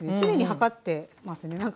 常に量ってますね。